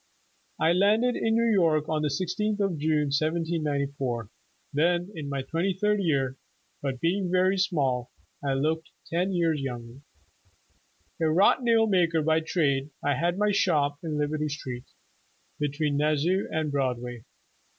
"I landed in New York on the 16th of June, 1794, then in my twenty third year, but being very small, I looked ten years younger. A wrought nail maker by trade, I had my shop in Liberty Street, between Nas sau and Broadway.